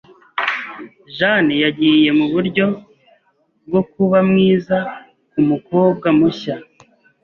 Jane yagiye muburyo bwo kuba mwiza kumukobwa mushya.